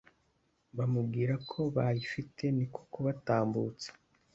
bamubwira ko bayifite niko kubatambutsa